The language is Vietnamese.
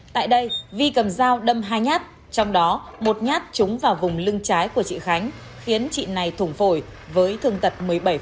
tại đây vi cầm dao đâm hai nhát trong đó một nhát trúng vào vùng lưng trái của chị khánh khiến chị này thủng phổi với thương tật một mươi bảy